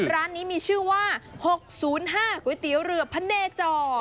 ร้านนี้มีชื่อว่า๖๐๕ก๋วยเตี๋ยวเรือพะเนจอ